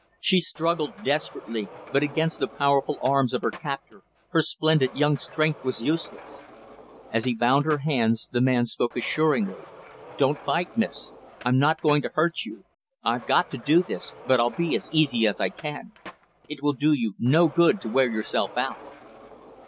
She struggled desperately; but, against the powerful arms of her captor, her splendid, young strength was useless. As he bound her hands, the man spoke reassuringly; "Don't fight, Miss. I'm not going to hurt you. I've got to do this; but I'll be as easy as I can. It will do you no good to wear yourself out."